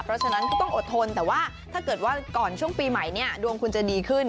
เพราะฉะนั้นก็ต้องอดทนแต่ว่าถ้าเกิดว่าก่อนช่วงปีใหม่เนี่ยดวงคุณจะดีขึ้น